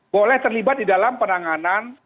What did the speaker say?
boleh terlibat di dalam penanganan